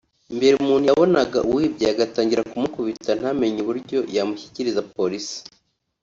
mbere umuntu yabonaga uwibye agatangira kumukubita ntamenye uburyo yamushyikiriza polisi